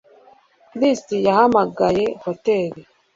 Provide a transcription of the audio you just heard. Chris yahamagaye hoteri